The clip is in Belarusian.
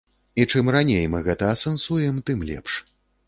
І чым раней мы гэта асэнсуем, тым лепш.